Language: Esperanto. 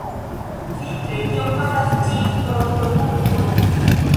Vintre tio falas ĝis frostopunkto.